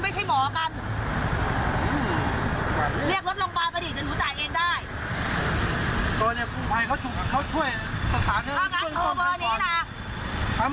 ตอนนี้กู้ภัยเขาช่วยสถานการณ์เบื้องต้นขั้นต้น